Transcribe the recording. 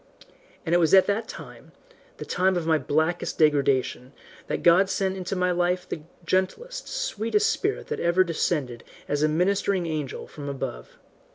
And it was at that time, the time of my blackest degradation, that God sent into my life the gentlest, sweetest spirit that ever descended as a ministering angel from above.